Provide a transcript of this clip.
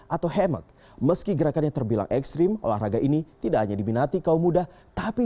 atau hemok meski gerakannya terbilang ekstrim olahraga ini tidak hanya diminati kaum muda tapi